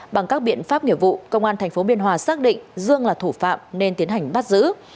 bằng các biện pháp nghiệp vụ công an tp biên hòa xác định dương là thủ phạm nên tiến hành bắt giữ